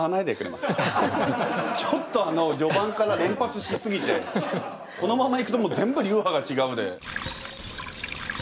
ちょっとじょばんから連発しすぎてこのままいくともう全部「流派がちがう」で。